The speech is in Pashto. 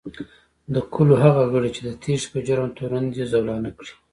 د کلو هغه غړي چې د تېښتې په جرم تورن دي، زولانه کړي